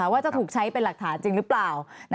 ว่าจะถูกใช้เป็นหลักฐานจริงหรือเปล่า